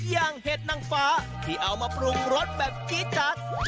เห็ดนางฟ้าที่เอามาปรุงรสแบบจี๊จัด